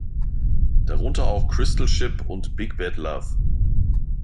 Darunter auch "Crystal Ship" und "Big Bad Love".